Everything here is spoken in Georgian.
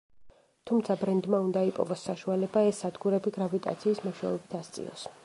თუმცა, ბრენდმა უნდა იპოვოს საშუალება, ეს სადგურები გრავიტაციის მეშვეობით ასწიოს.